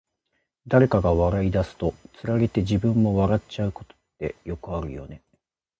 誰かが笑い出すと、つられて自分も笑っちゃうことってよくあるよね。